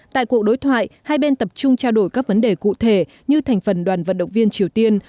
tại cuộc đối thoại hai bên tập trung trao đổi các vấn đề cụ thể như thành phần đoàn vận động viên triều tiên